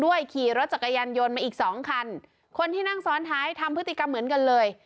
ขี่รถจักรยานยนต์มาอีกสองคันคนที่นั่งซ้อนท้ายทำพฤติกรรมเหมือนกันเลย